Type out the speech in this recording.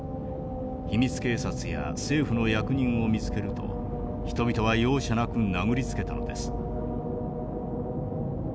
秘密警察や政府の役人を見つけると人々は容赦なく殴りつけたのです」。